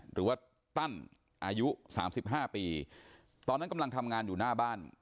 หรือว่าตั้นอายุสามสิบห้าปีตอนนั้นกำลังทำงานอยู่หน้าบ้าน